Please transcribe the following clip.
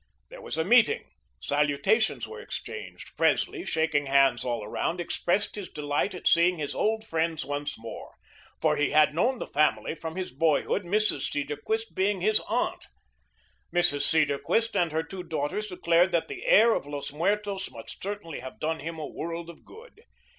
There was a meeting. Salutations were exchanged, Presley shaking hands all around, expressing his delight at seeing his old friends once more, for he had known the family from his boyhood, Mrs. Cedarquist being his aunt. Mrs. Cedarquist and her two daughters declared that the air of Los Muertos must certainly have done him a world of good.